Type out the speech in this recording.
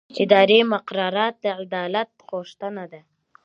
اداري مقررات د عدالت غوښتنه کوي.